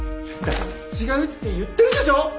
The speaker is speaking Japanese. だから違うって言ってるでしょ！